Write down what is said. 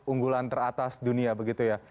unggulan teratas dunia begitu ya